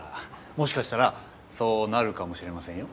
もしかしたらそうなるかもしれませんよ？